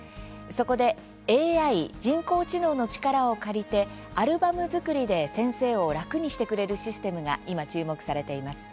そこでＡＩ・人工知能の力を借りて、アルバム作りで先生を楽にしてくれるシステムが今、注目されています。